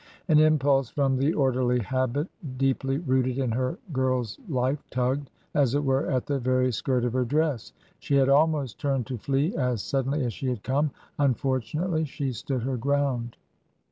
An impulse from the orderly habit deeply rooted in her girl's life tugged, as it were, at the very skirt of her dress. She had almost turned to flee as suddenly as she had come. Unfortunately, she stood her ground.